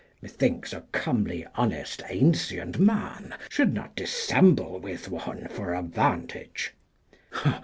96 Methinks, a comely honest ancient man Should not dissemble with one for a vantage.